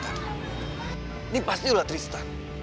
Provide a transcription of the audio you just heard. ini pasti ulat tristan